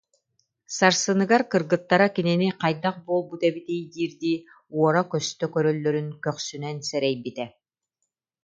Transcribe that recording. Сарсыныгар кыргыттара кинини хайдах буолбут эбитий диирдии уора-көстө көрөллөрүн көхсүнэн сэрэйбитэ